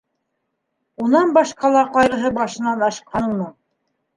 Унан башҡа ла ҡайғыһы башынан ашҡан уның.